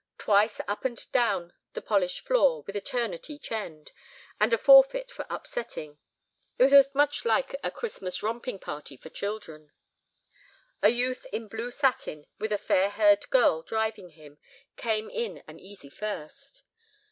Twice up and down the polished floor, with a turn at each end, and a forfeit for upsetting. It was much like a great Christmas romping party for children. A youth in blue satin with a fair haired girl driving him came in an easy first.